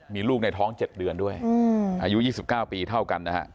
มีลูกในท้องเจ็บเดือนด้วยอายุยี่สิบเก้าปีเท่ากันนะฮะ